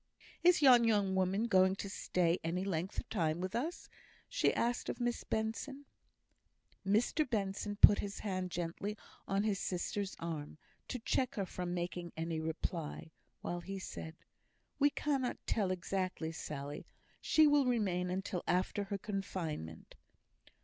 "Is yon young woman going to stay any length o' time with us?" asked she of Miss Benson. Mr Benson put his hand gently on his sister's arm, to check her from making any reply, while he said, "We cannot exactly tell, Sally. She will remain until after her confinement."